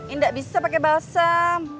ini gak bisa pakai balsam